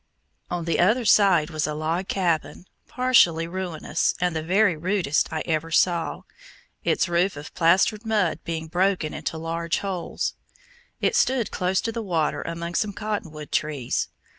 On the other side was a log cabin, partially ruinous, and the very rudest I ever saw, its roof of plastered mud being broken into large holes. It stood close to the water among some cotton wood trees.